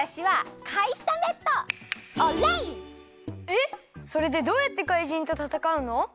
えっそれでどうやってかいじんとたたかうの？